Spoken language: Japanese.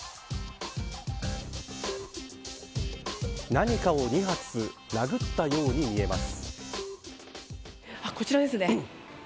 何かを２発殴ったように見えます。